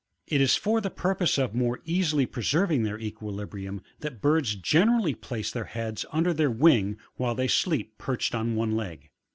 It is for the purpose of more easily preserving their equilibrium, that birds generally place their heads under their wing, while they sleep, perched on one leg.